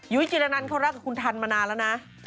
จิระนันเขารักกับคุณทันมานานแล้วนะ